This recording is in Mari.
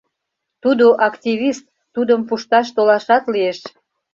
Тудо активист, тудым пушташ толашат лиеш.